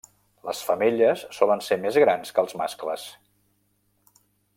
Les femelles solen ser més grans que els mascles.